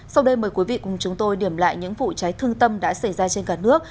sau đây mời quý vị cùng chúng tôi điểm lại những vụ cháy thương tâm đã xảy ra trên cả nước